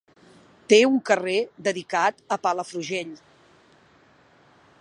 Té un carrer dedicat a Palafrugell.